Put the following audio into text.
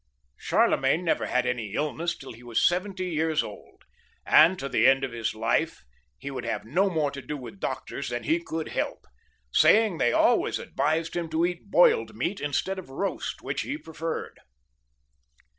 VIII J CHARLEMAGNE, 41 Charlemagne never had any illness till he was seventy years old, and to the end of his life he would have no more to do with doctors thaa he could help, saying they always advised him to eat boiled meat instead of roast, which he preferred.